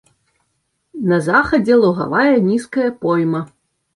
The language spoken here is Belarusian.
На захадзе лугавая нізкая пойма.